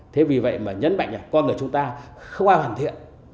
thế vì vậy mà nhấn mạnh là con người chúng ta không ai hoàn thiện